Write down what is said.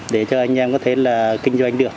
để cho anh em có thể là kinh doanh được